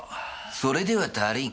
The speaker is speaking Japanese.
それでは足りん。